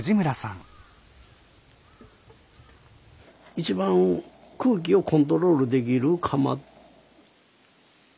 一番空気をコントロールできる窯。